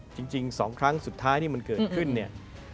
จริง๒ครั้งสุดท้ายที่มันเกิดขึ้นเนี่ย